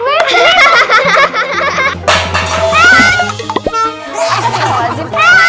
gak ada pak siti